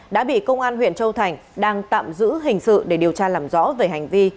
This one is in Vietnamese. đã bị công an huyện châu thành đang tạm giữ hình sự để điều tra làm rõ về hành vi